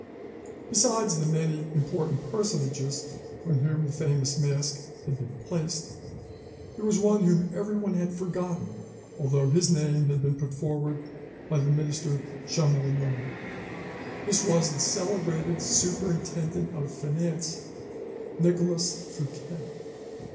Besides the many important personages on whom the famous mask had been placed, there was one whom everyone had forgotten, although his name had been put forward by the minister Chamillart: this was the celebrated Superintendent of Finance, Nicolas Fouquet.